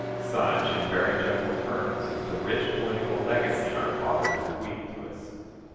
Such, in very general terms, is the rich political legacy our fathers bequeathed to us.